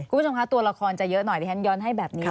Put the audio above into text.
คุณผู้ชมคะตัวละครจะเยอะหน่อยดิฉันย้อนให้แบบนี้